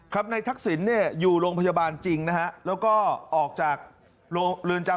ครับนัยทักศิลป์อยู่หลงพยาบาลจริง